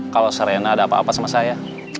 kalau serena ada apa apa sama saya